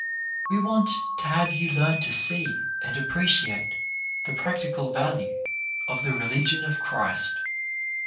We want to have you learn to see and appreciate the practical value of the religion of Christ.